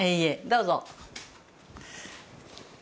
どうぞ。